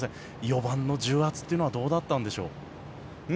４番の重圧というのはどうだったんでしょう。